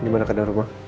dimana keadaan rumah